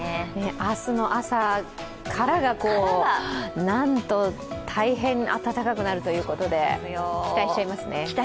明日の朝からが、なんと大変暖かくなるということで期待しちゃいますね。